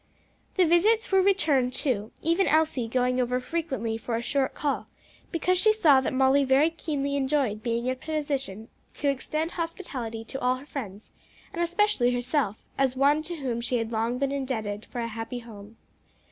The visits were returned, too, even Elsie going over frequently for a short call, because she saw that Molly very keenly enjoyed being in a position to extend hospitality to all her friends, and especially herself, as one to whom she had long been indebted for a happy home.